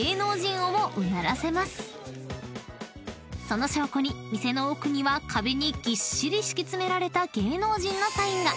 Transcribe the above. ［その証拠に店の奥には壁にぎっしり敷き詰められた芸能人のサインが］